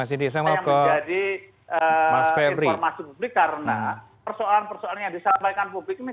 ini yang menjadi informasi publik karena persoalan persoalan yang disampaikan publik ini